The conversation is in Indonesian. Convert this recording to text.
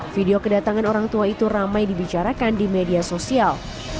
video kedatangan orang tua itu ramai dibicarakan di media sosial